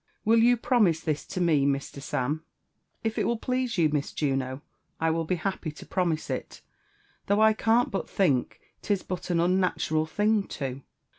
Will yoa promise this to me, Mr. Samf' " If it will please you. Miss Juno, I will be happy to promise it ; though I can't but think 'tis but an unnatural thing loo.